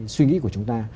suy nghĩ của chúng ta